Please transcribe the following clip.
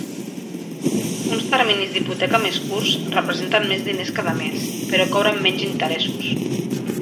Uns terminis d"hipoteca més curts representen més diners cada mes, però cobren menys interessos.